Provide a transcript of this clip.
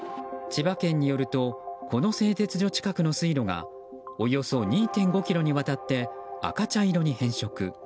千葉県によるとこの製鉄所近くの水路がおよそ２．５ｋｍにわたって赤茶色に変色。